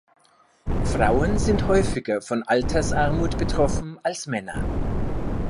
Frauen sind häufiger von Altersarmut betroffen als Männer.